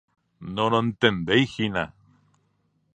Norontendeihína.